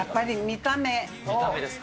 見た目ですか。